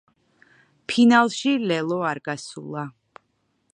ფინალში ლელო არ გასულა.